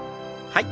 はい。